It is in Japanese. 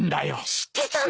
知ってたの！？